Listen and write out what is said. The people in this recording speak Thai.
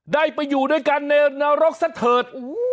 ได้ไปอยู่ด้วยกันในนรกซะเถิด